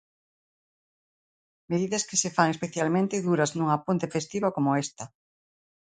Medidas que se fan especialmente duras nunha ponte festiva coma esta.